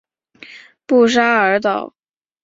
布沙尔岛。